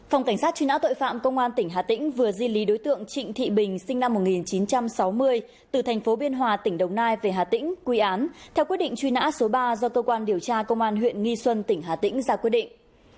hiện công an thịnh hà tĩnh vừa di lý đối tượng trịnh thị bình sinh năm một nghìn chín trăm sáu mươi từ thành phố biên hòa tỉnh đồng nai về hà tĩnh quy án theo quyết định truy nã số ba do tô quan điều tra công an huyện nghi xuân tỉnh hà tĩnh ra quyết định